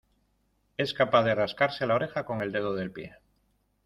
Es capaz de rascarse la oreja con el dedo del pie.